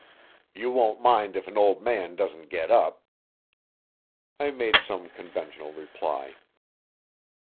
"You won't mind if an old man doesn't get up." I made some conventional reply.